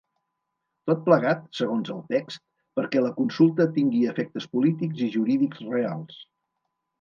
Tot plegat, segons el text, perquè la consulta tingui efectes polítics i jurídics reals.